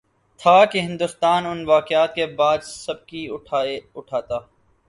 تھا کہ ہندوستان ان واقعات کے بعد سبکی اٹھاتا۔